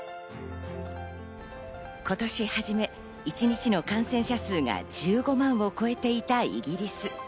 今年初め、一日の感染者数が１５万を超えていたイギリス。